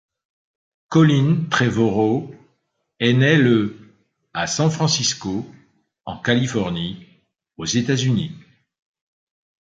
Colin Trevorrow est né le à San Francisco, en Californie, aux États-Unis.